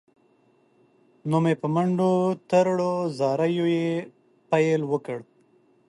نو مې په منډو تروړ، زاریو یې پیل وکړ.